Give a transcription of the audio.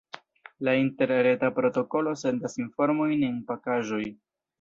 La interreta protokolo sendas informojn en pakaĵoj.